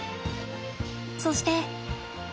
そして。